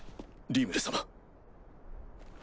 リムル様。